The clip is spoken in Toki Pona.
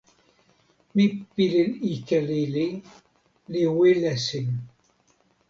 mi pilin ike lili, li wile sin.